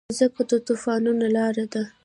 مځکه د طوفانونو لاره ده.